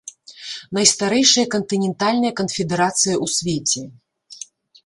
Найстарэйшая кантынентальная канфедэрацыя ў свеце.